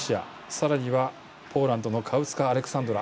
さらには、ポーランドのカウツカ・アレクサンドラ。